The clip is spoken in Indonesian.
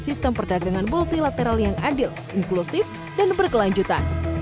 sistem perdagangan multilateral yang adil inklusif dan berkelanjutan